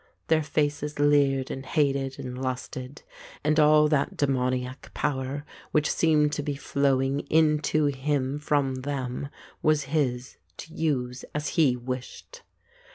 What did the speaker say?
Their faces leered and hated and lusted, and all that demoniac power, which seemed to be flowing into him from them, was his to use as he wished.